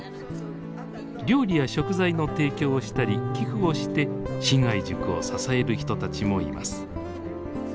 料理や食材の提供をしたり寄付をして信愛塾を支える人たちもいます。